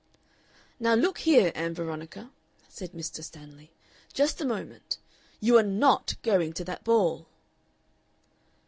"Now look here, Ann Veronica," said Mr. Stanley, "just a moment. You are NOT going to that ball!"